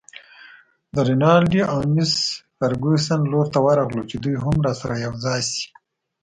د رینالډي او مس فرګوسن لور ته ورغلو چې دوی هم راسره یوځای شي.